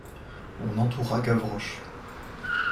On entoura Gavroche.